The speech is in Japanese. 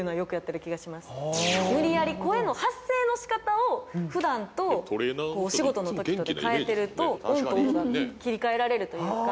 無理やり声の発声の仕方を普段とお仕事の時とで変えてるとオンとオフが切り替えられるというか。